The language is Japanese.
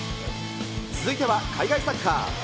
続いては海外サッカー。